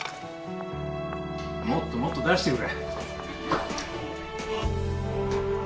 もっともっと出してくれ。